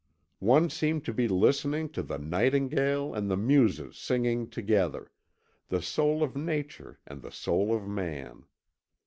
One seemed to be listening to the nightingale and the Muses singing together, the soul of Nature and the soul of Man.